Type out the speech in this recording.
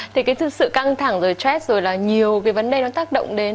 thì cái sự căng thẳng rồi stress rồi là nhiều cái vấn đề nó tác động đến